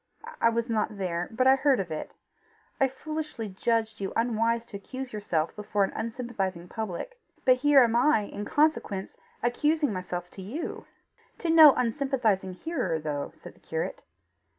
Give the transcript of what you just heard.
I was not there, but I heard of it. I foolishly judged you unwise to accuse yourself before an unsympathizing public but here am I in consequence accusing myself to you!" "To no unsympathising hearer, though," said the curate.